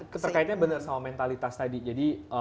keterkaitannya benar sama mentalitas tadi jadi